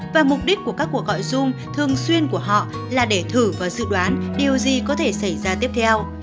và mục đích của các cuộc gọi dung thường xuyên của họ là để thử và dự đoán điều gì có thể xảy ra tiếp theo